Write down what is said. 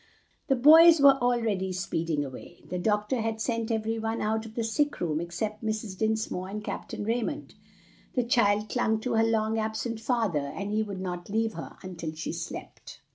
The boys were already speeding away. The doctor had sent every one out of the sick room except Mrs. Dinsmore and Captain Raymond. The child clung to her long absent father, and he would not leave her until she slept.